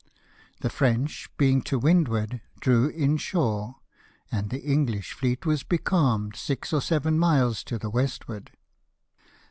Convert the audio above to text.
The French, being to windward, drew in shore ; and the EngHsh fleet was becalmed six or seven miles to the westward.